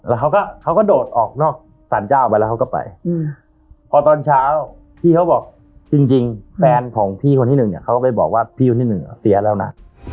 แล้วเขาก็เขาก็โดดออกนอกสรรเจ้าไปแล้วเขาก็ไปพอตอนเช้าพี่เขาบอกจริงแฟนของพี่คนที่หนึ่งเนี่ยเขาก็ไปบอกว่าพี่คนที่หนึ่งเสียแล้วนะ